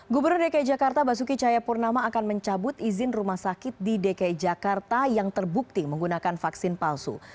gubernur dki jakarta basuki cahayapurnama akan mencabut izin rumah sakit di dki jakarta yang terbukti menggunakan vaksin palsu